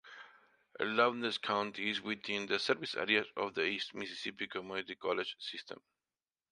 Lowndes County is within the service area of the East Mississippi Community College system.